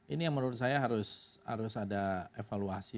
ini yang menurut saya harus ada evaluasi